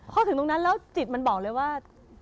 พอถึงตรงนั้นแล้วจิตมันบอกเลยว่า